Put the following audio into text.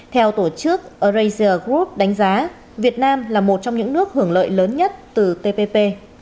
theo tổ chức arasia group đánh giá việt nam là một trong những nước hưởng lợi lớn nhất từ tpp